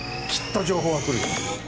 きっと情報は来るよ。